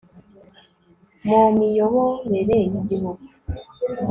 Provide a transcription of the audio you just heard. mu miyoborere y Igihugu